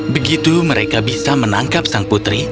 begitu mereka bisa menangkap sang putri